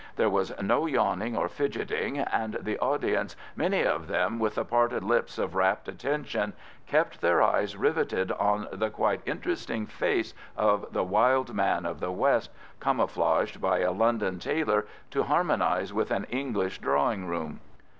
There was no yawning or fidgeting, and the audience, many of them with the parted lips of rapt attention, kept their eyes riveted on the quite interesting face of the wild man of the west, camouflaged by a London tailor to harmonise with an English drawing room.